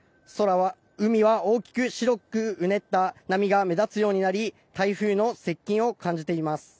海は大きく白くうねった波が目立つようになり台風の接近を感じています。